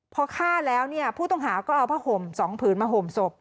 พอฆ่าแล้วเนี่ยผู้ต้องหาก็เอาผ้าห่ม๒ผืนมาห่มศพ